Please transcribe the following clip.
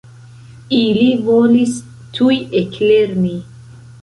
Ili volis tuj eklerni.